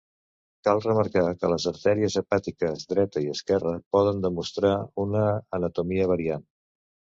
Cal remarcar que les artèries hepàtiques dreta i esquerra poden demostrar una anatomia variant.